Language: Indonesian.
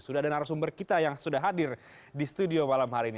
sudah ada narasumber kita yang sudah hadir di studio malam hari ini